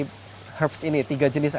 emang mereka spesialisasinya depan